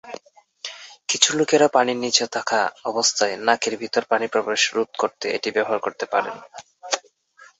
কিছু লোকেরা পানির নীচে থাকা অবস্থায় নাকের ভিতর পানির প্রবেশ রোধ করতে এটি ব্যবহার করতে পারেন।